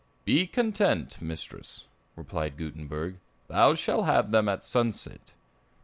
"Be content, mistress," replied Gutenberg; "thou shall have them at sunset."